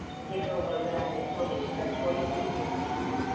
Jednou byl zraněn v potyčce s policií.